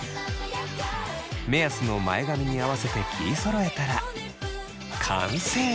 目安の前髪に合わせて切りそろえたら完成です。